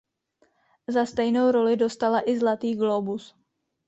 Za stejnou roli dostala i Zlatý glóbus.